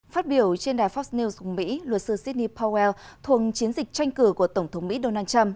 phát biểu trên đài fox news của mỹ luật sư sidney powell thuần chiến dịch tranh cử của tổng thống mỹ donald trump